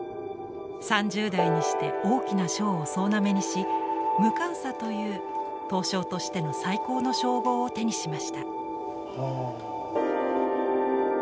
３０代にして大きな賞を総なめにし無鑑査という刀匠としての最高の称号を手にしました。